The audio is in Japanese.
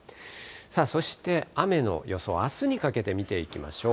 そして雨の予想、あすにかけて見ていきましょう。